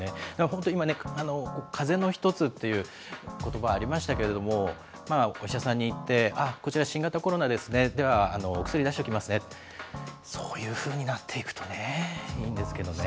本当、今ね、かぜの１つということばありましたけれども、お医者さんに行って、こちら、新型コロナですね、では、お薬出しておきますね、そういうふうになっていくとね、いいんですけどね。